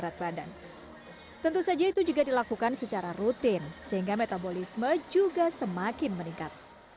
tentu saja itu juga dilakukan secara rutin sehingga metabolisme juga semakin meningkat